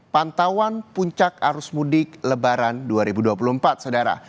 pantauan puncak arus mudik lebaran dua ribu dua puluh empat saudara